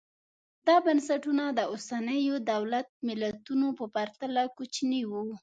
دا بنسټونه د اوسنیو دولت ملتونو په پرتله کوچني وو